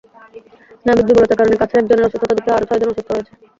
স্নায়বিক দুর্বলতার কারণে কাছের একজনের অসুস্থতা দেখে আরও ছয়জন অসুস্থ হয়েছে।